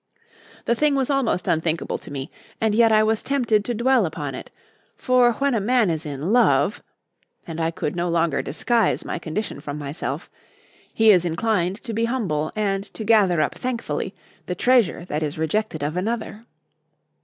The thing was almost unthinkable to me, and yet I was tempted to dwell upon it; for when a man is in love and I could no longer disguise my condition from myself he is inclined to be humble and to gather up thankfully the treasure that is rejected of another.